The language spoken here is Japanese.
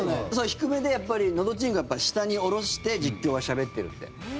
低めでのどちんこを下に下ろして実況はしゃべってるって。